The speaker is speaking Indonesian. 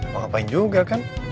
mau ngapain juga kan